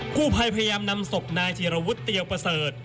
ผู้ภัยพยายามนำศพนายธีรวุฒิเตียวประเสริฐ